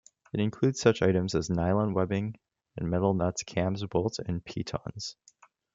It includes such items as nylon webbing and metal nuts, cams, bolts, and pitons.